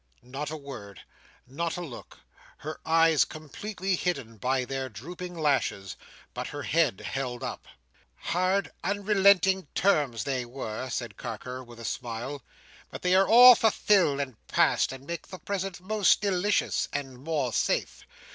Not a word. Not a look Her eyes completely hidden by their drooping lashes, but her head held up. "Hard, unrelenting terms they were!" said Carker, with a smile, "but they are all fulfilled and passed, and make the present more delicious and more safe.